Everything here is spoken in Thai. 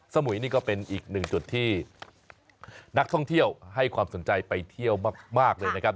สมุยนี่ก็เป็นอีกหนึ่งจุดที่นักท่องเที่ยวให้ความสนใจไปเที่ยวมากเลยนะครับ